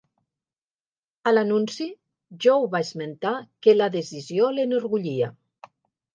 A l'anunci, Joe va esmentar que la decisió l'enorgullia.